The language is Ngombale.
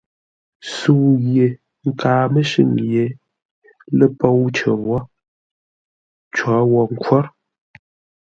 Sə̌u ye nkaa mə́shʉ́ŋ yé lə̂ pôu cər wó, cǒ wo nkór.